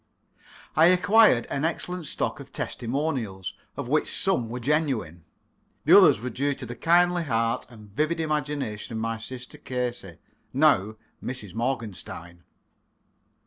I acquired an excellent stock of testimonials, of which some were genuine. The others were due to the kindly heart and vivid imagination of my sister Casey, now Mrs. Morgenstein.